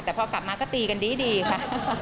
แต่พอกลับมาก็ตีกันดีค่ะ